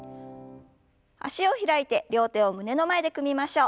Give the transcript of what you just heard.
脚を開いて両手を胸の前で組みましょう。